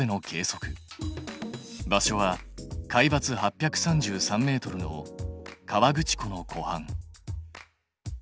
場所は海ばつ８３３ｍの河口湖のこはん。